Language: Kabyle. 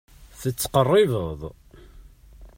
Tettqerribeḍ.